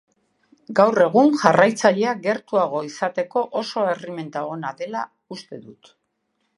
Gaur egun jarraitzaileak gertuago izateko oso erreminta ona dela uste dut.